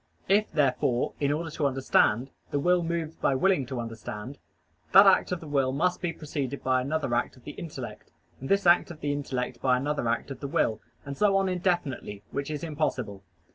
If, therefore, in order to understand, the will moves by willing to understand, that act of the will must be preceded by another act of the intellect, and this act of the intellect by another act of the will, and so on indefinitely, which is impossible.